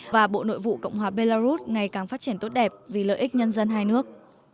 và bộ nội vụ cộng hòa belarus ngày càng phát triển tốt đẹp vì lợi ích nhân dân hai nước